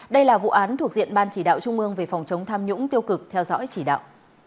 đây là vụ án thuộc diện ban chỉ đạo trung ương về phòng chống tham nhũng tiêu cực theo dõi chỉ đạo